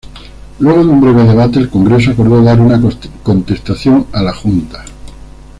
Luego de un breve debate, el Congreso acordó dar una contestación a la Junta.